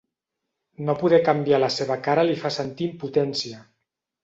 No poder canviar la seva cara li fa sentir impotència.